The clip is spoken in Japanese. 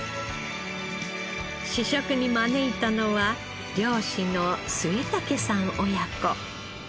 試食に招いたのは漁師の末竹さん親子。